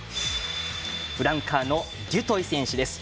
フランカーのデュトイ選手です。